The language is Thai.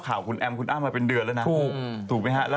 คนคนของคุณเขาเป็นไงเนี้ย